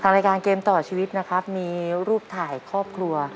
รายการเกมต่อชีวิตนะครับมีรูปถ่ายครอบครัว